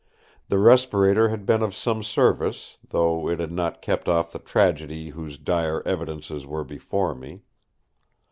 The respirator had been of some service, though it had not kept off the tragedy whose dire evidences were before me.